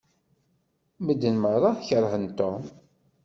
Medden meṛṛa keṛhen Tom.